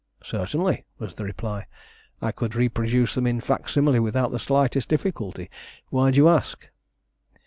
"Certainly," was the reply. "I could reproduce them in fac simile without the slightest difficulty. Why do you ask?"